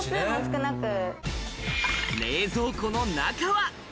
冷蔵庫の中は？